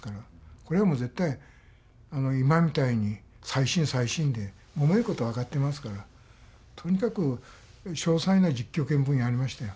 これはもう絶対今みたいに再審再審でもめることは分かってますからとにかく詳細な実況見分やりましたよ。